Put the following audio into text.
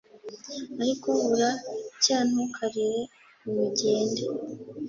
ariko buracyantukarire, gumy’ ugende